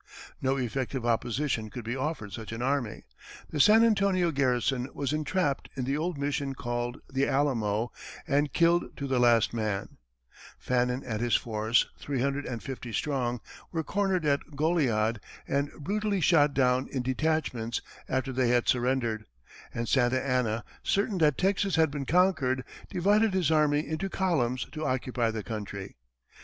No effective opposition could be offered such an army; the San Antonio garrison was entrapped in the old mission called The Alamo and killed to the last man; Fannin and his force, three hundred and fifty strong, were cornered at Goliad and brutally shot down in detachments after they had surrendered; and Santa Anna, certain that Texas had been conquered, divided his army into columns to occupy the country.